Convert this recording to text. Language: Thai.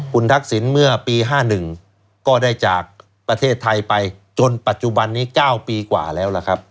คุณทักษิณเมื่อปี๕๑ก็ได้จากประเทศไทยไปจนปัจจุบันนี้๙ปีกว่าแล้วล่ะครับ